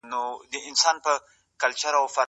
تعليم غير رسمي هم کېدای سي.